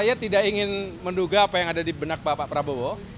saya tidak ingin menduga apa yang ada di benak bapak prabowo